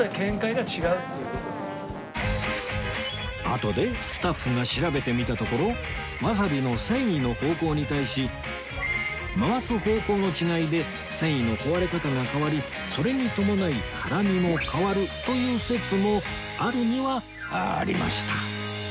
あとでスタッフが調べてみたところわさびの繊維の方向に対し回す方向の違いで繊維の壊れ方が変わりそれに伴い辛みも変わるという説もあるにはありました